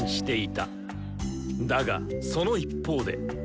だがその一方で。